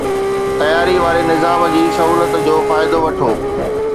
تياري واري نظام جي سهولت جو فائدو وٺو